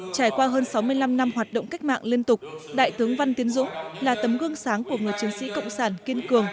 trải qua hơn sáu mươi năm năm hoạt động cách mạng liên tục đại tướng văn tiến dũng là tấm gương sáng của người chiến sĩ cộng sản kiên cường